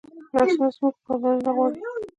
لاسونه زموږ پاملرنه غواړي